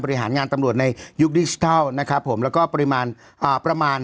บริหารงานตำรวจในยุคดิจิทัลนะครับผมแล้วก็ปริมาณอ่าประมาณ